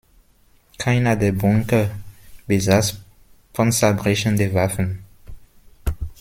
Keiner der Bunker besaß panzerbrechende Waffen.